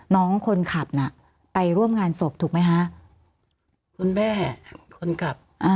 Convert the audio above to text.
น้องคนขับน่ะไปร่วมงานศพถูกไหมฮะคุณแม่คนขับอ่า